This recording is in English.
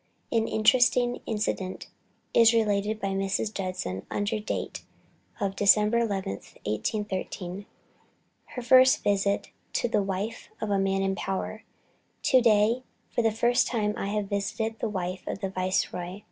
An interesting incident is related by Mrs. Judson under date of Dec. 11th, 1813, her first visit to the wife of a man in power. "To day for the first time I have visited the wife of the Viceroy.